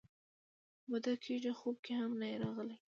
موده کېږي خوب کې هم نه یې راغلی